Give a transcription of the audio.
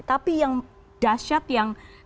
tapi yang dasyat yang